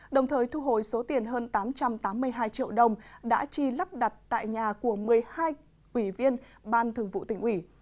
đồng thời thu hồi số tiền hơn tám trăm tám mươi hai triệu đồng đã chi lắp đặt tại nhà của một mươi hai ủy viên ban thường vụ tỉnh ủy